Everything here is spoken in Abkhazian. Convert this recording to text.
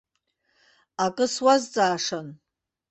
Акы суазҵаашан.